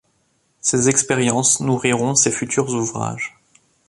Ces expériences nourriront ses futurs ouvrages.